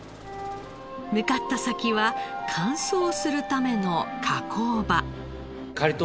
向かった先は乾燥するための加工場。